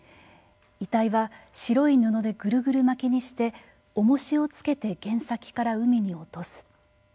遺体は白い布でぐるぐる巻きにしておもしをつけて舷先から海に落とす。